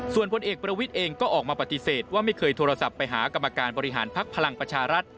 ส่วนพลเอกประวิทย์เองก็ออกมาปฏิเสธว่าไม่เคยโทรศัพท์ไปหากรรมการบริหารภักดิ์พลังประชารัฐ